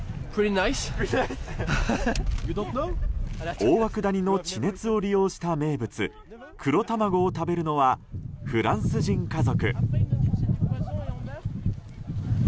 大涌谷の地熱を利用した名物黒たまごを食べるのはフランス人家族。